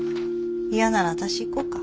嫌なら私行こうか？